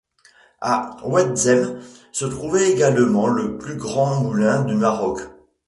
À Oued-Zem se trouvait également le plus grand moulin du Maroc.